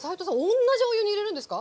おんなじお湯に入れるんですか？